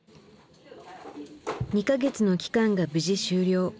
２か月の期間が無事終了。